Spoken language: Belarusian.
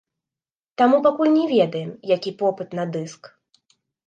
Таму пакуль не ведаем, які попыт на дыск.